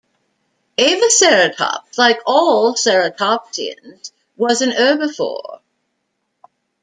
"Avaceratops", like all ceratopsians, was a herbivore.